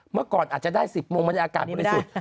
เมื่อก่อนอาจจะได้๑๐โมงมันอากาศคุณสุด